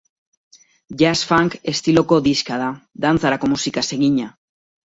Jazz-funk estiloko diska da, dantzarako musikaz egina.